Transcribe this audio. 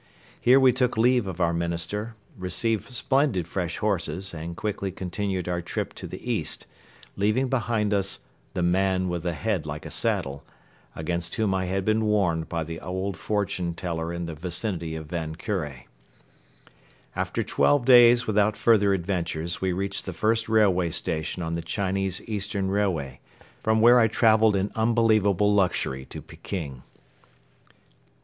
Here we took leave of our Minister, received splendid fresh horses and quickly continued our trip to the east, leaving behind us "the man with the head like a saddle" against whom I had been warned by the old fortune teller in the vicinity of Van Kure. After twelve days without further adventures we reached the first railway station on the Chinese Eastern Railway, from where I traveled in unbelievable luxury to Peking.